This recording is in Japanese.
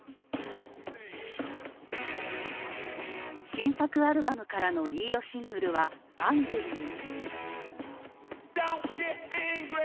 新作アルバムからのリードシングルは「Ａｎｇｒｙ」。